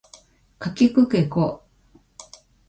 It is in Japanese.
かきくけこ